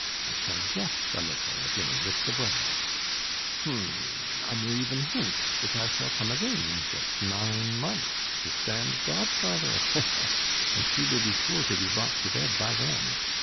I shall jest a little again with the bride; h'm!... I may even hint that I shall come again in just nine months to stand godfather, he he! And she will be sure to be brought to bed by then.